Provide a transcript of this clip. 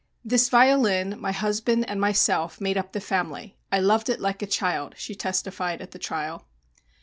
"This violin, my husband and myself made up the family I loved it like a child," she testified at the trial.